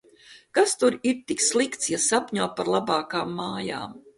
Kas tur ir tik slikts, ja sapņo par labākām mājām?